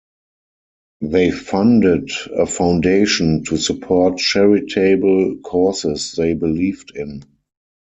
They funded a foundation to support charitable causes they believed in.